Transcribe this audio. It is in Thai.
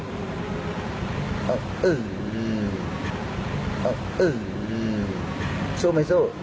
เอาเออเออเออซุ้มไหมซุ้ม